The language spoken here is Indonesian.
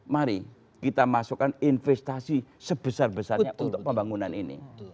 mari kita masukkan investasi sebesar besarnya untuk pembangunan ini